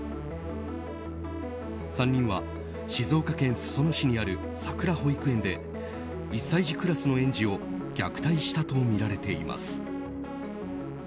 ３人は静岡県裾野市にあるさくら保育園で１歳児クラスの園児を虐待したとみられています。